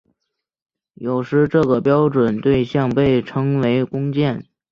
有时这个标准对像被称为工件。